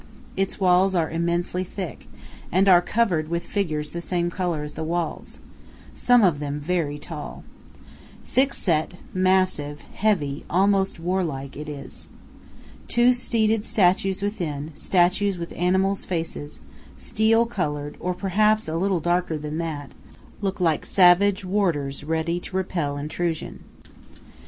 Its walls are immensely thick, and are covered with figures the same color as the walls, some of them very tall. Thick set, massive, heavy, almost warlike it is. Two seated statues within, statues with animals' faces, steel colored, or perhaps a little darker than that, look like savage warders ready to repel intrusion.